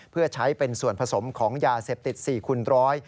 เพื่อใช้เป็นส่วนผสมของยาเสพติด๔คูณร้อย